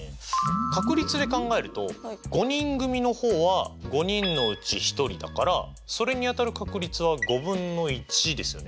確率で考えると５人組の方は５人のうち１人だからそれに当たる確率は５分の１ですよね。